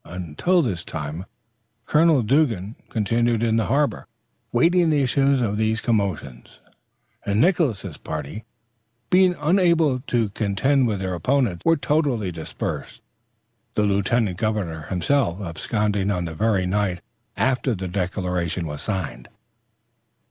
Until this time, Colonel Dougan continued in the harbor, waiting the issues of these commotions, and Nicholson's party, being unable longer to contend with their opponents, were totally dispersed, the lieutenant governor himself absconding on the very night after the declaration was signed.